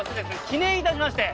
記念いたしまして。